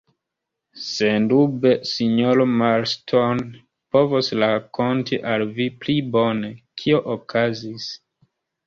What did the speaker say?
Sendube sinjoro Marston povos rakonti al vi pli bone, kio okazis.